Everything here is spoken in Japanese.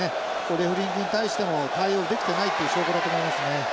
レフェリングに対しても対応できてないっていう証拠だと思いますね。